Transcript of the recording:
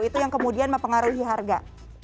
itu yang kemudian mempengaruhi harga